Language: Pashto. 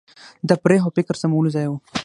د تفریح او فکر سمولو ځای وو.